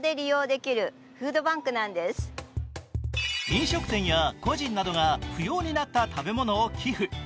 飲食店や個人などが不要になった食べ物などを寄付。